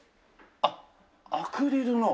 あっアクリルの。